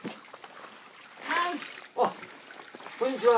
あっこんにちは。